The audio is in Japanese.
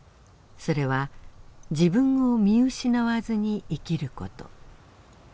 それは「自分を見失わずに生きる事」。